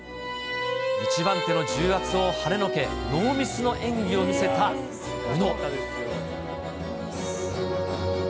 １番手の重圧をはねのけ、ノーミスの演技を見せた宇野。